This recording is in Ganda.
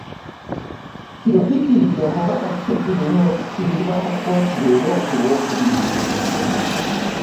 Kino kiddiridde Omubaka Ssegirinya okusimbibwa mu kkooti leero ku Lwokubiri.